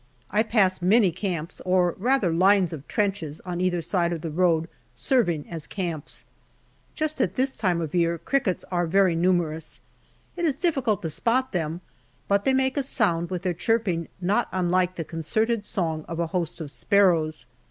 I pass many camps, or rather lines of trenches on either side of the road serving as camps. Just at this time of the year crickets are very numerous. It is difficult to spot them, but they make a sound with their chirping not unlike the concerted song of a host of sparrows.